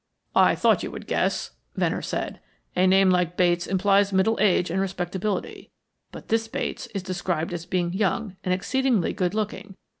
"I thought you would guess," Venner said. "A name like Bates implies middle age and respectability. But this Bates is described as being young and exceedingly good looking.